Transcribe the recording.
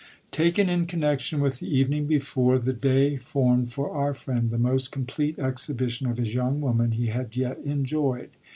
Taken in connection with the evening before, the day formed for our friend the most complete exhibition of his young woman he had yet enjoyed.